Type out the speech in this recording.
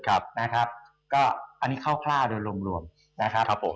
อันนี้คร่าวโดยรวมนะครับผม